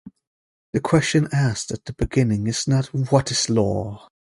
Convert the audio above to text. The question asked at the beginning is not What is law?